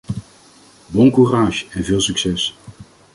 Bon courage en veel succes!